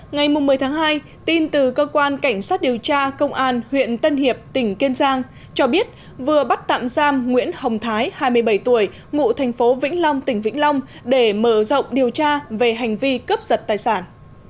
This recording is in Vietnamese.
ngày một mươi tháng hai tin từ cơ quan cảnh sát điều tra công an huyện tân hiệp tỉnh kiên giang cho biết vừa bắt tạm giam nguyễn hồng thái hai mươi bảy tuổi ngụ thành phố vĩnh long tỉnh vĩnh long để mở rộng điều tra về hành vi cướp giật tài sản